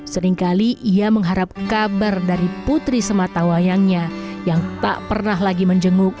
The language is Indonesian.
seringkali ia mengharap kabar dari putri sematawayangnya yang tak pernah lagi menjenguk